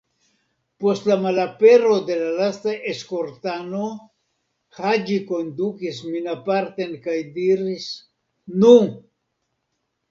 Post la malapero de la lasta eskortano, Haĝi kondukis min aparten kaj diris: "Nu!"